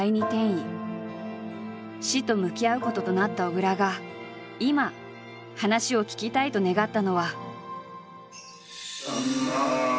死と向き合うこととなった小倉が今話を聞きたいと願ったのは。